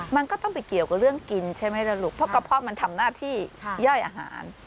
มันก็ต้องไปเกี่ยวกับเรื่องกินใช่ไหมล่ะลูกเพราะกระเพาะมันทำหน้าที่ย่อยอาหาร